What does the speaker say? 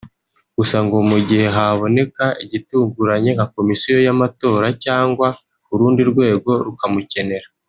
gusa ngo mu gihe haboneka ibitunguranye nka Komisiyo y’amatora cyangwa urundi rwego rukamukenera